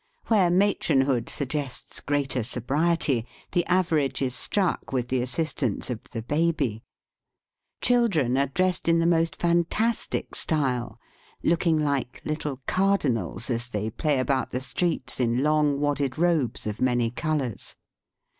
Where matronhood suggests greater sobriety, the average is struck with the assistance of the baby. Children are dressed in the most fantastic style, looking like little cardinals as they play about the streets in long wadded robes of many colours.